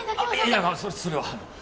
いやそれは。